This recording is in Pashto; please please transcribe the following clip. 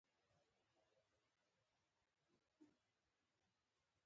پرمختګ له بدلون پرته ناشونی دی.